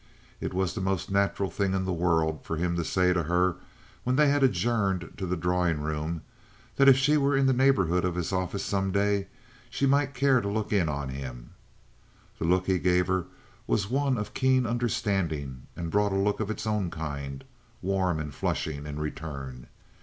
It was the most natural thing in the world for him to say to her, when they had adjourned to the drawing room, that if she were in the neighborhood of his office some day she might care to look in on him. The look he gave her was one of keen understanding, and brought a look of its own kind, warm and flushing, in return.